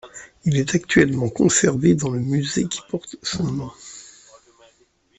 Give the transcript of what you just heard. Il est actuellement conservé dans le musée qui porte son nom.